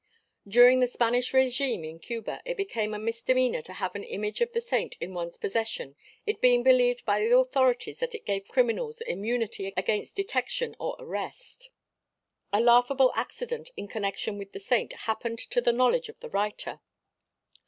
During the Spanish regime in Cuba it became a misdemeanor to have an image of the saint in one's possession it being believed by the authorities that it gave criminals immunity against detection or arrest. A laughable accident in connection with the saint happened to the knowledge of the writer.